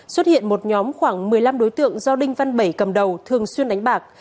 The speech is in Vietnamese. xuất hiện một nhóm khoảng một mươi năm đối tượng do đinh văn bảy cầm đầu thường xuyên đánh bạc